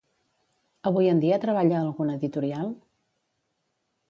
Avui en dia treballa a alguna editorial?